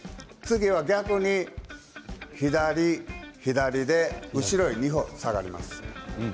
逆に左、左後ろに２歩下がります。